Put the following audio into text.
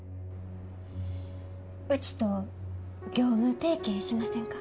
うちと業務提携しませんか？